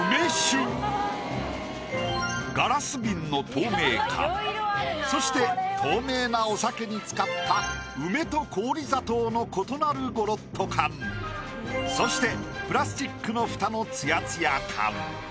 ガラス瓶の透明感そして透明なお酒につかった梅と氷砂糖の異なるごろっと感そしてプラスチックの蓋のツヤツヤ感。